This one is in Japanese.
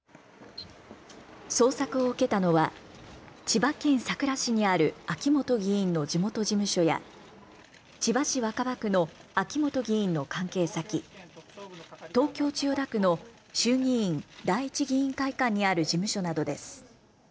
捜索を受けたのは千葉県佐倉市にある秋本議員の地元事務所や千葉市若葉区の秋本議員の関係先、東京千代田区の衆議院第一議員会館にある事務所などです。